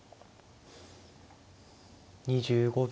２５秒。